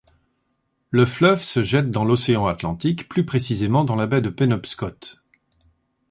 Le fleuve se jette dans l'océan Atlantique, plus précisément dans la baie de Penobscot.